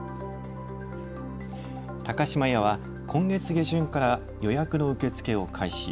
高島屋は今月下旬から予約の受け付けを開始。